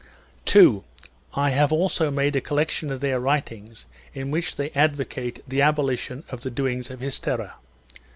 2. I have also made a collection of their writings in which they advocate the abolition of the doings of Hystera.